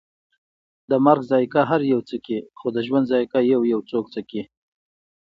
د مرګ ذائقه هر یو څکي، خو د ژوند ذائقه یویو څوک څکي